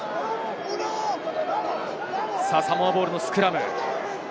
サモアボールのスクラム。